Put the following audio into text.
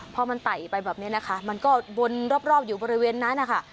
พอมันไต่ไปแบบนี้นะคะมันก็วนรอบอยู่บริเวณนั้นนะคะ